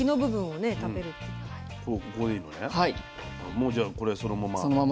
もうじゃあこれそのまま。